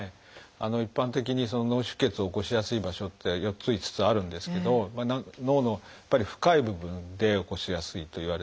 一般的に脳出血を起こしやすい場所っていうのは４つ５つあるんですけど脳のやっぱり深い部分で起こしやすいといわれています。